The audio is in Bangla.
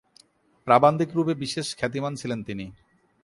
প্রাবন্ধিক রূপে বিশেষ খ্যাতিমান ছিলেন তিনি।